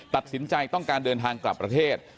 ตัดสินใจต้องการเดินทางกลับประเทศ